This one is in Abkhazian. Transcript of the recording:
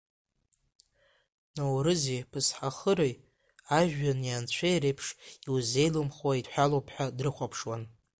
Ноурызи Ԥысҳахыреи ажәҩани анцәеи реиԥш иузеилымхуа еидҳәалоуп ҳәа дрыхәаԥшуан.